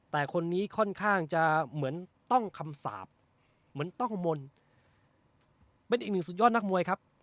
แต่คนนี้ค่อนข้างจะเหมือนต้องคำสาปเหมือนต้องมนต์เป็นอีกหนึ่งสุดยอดนักมวยครับ